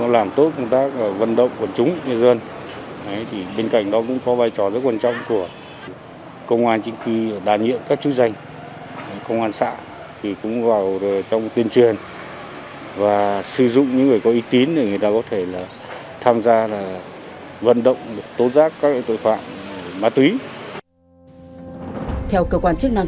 làm tốt công tác vận động của chúng